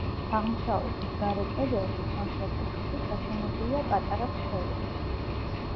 აღმოსავლეთის გარე კედელში სამხრეთ კუთხეში ჩაშენებულია პატარა ქვევრი.